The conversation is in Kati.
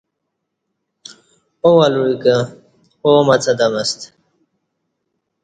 آو الوعی کہ آومڅں دمہ ستہ